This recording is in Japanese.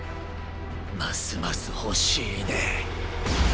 ますます欲しいね。